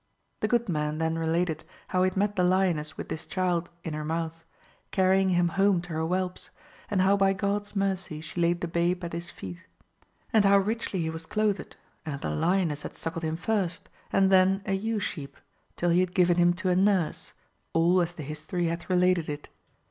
The good man then related how he had met the lioness with this child inJjflL mouth, carrying him home to her whelps, and how by (rod's mercy she laid the babe at his feet. And how richly he was clothed, and how the lioness had suckled him first, and then a ewe sheep, till he had given him to a nurse, all as the history hath related it.